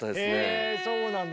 へえそうなんだ。